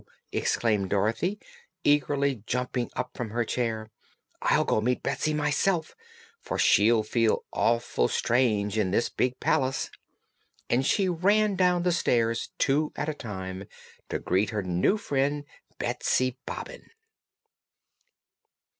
exclaimed Dorothy, eagerly jumping up from her chair; "I'll go to meet Betsy myself, for she'll feel awful strange in this big palace." And she ran down the stairs two at a time to greet her new friend, Betsy Bobbin.